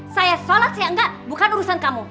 saya sholat saya enggak bukan urusan kamu